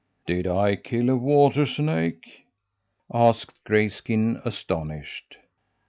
"Did I kill a water snake?" asked Grayskin, astonished.